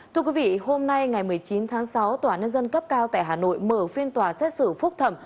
thưa quý vị hôm nay ngày một mươi chín tháng sáu tòa nhân dân cấp cao tại hà nội mở phiên tòa xét xử phúc thẩm